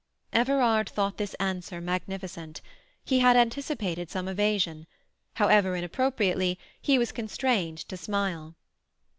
Everard thought this answer magnificent. He had anticipated some evasion. However inappropriately, he was constrained to smile.